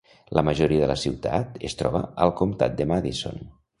La majoria de la ciutat es troba al comtat de Madison.